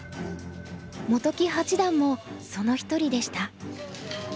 本木八段もその一人でした。